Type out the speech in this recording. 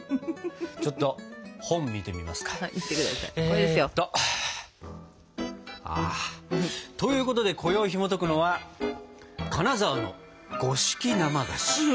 ちょっと本見てみますか。ということでこよいひもとくのは「金沢の五色生菓子」。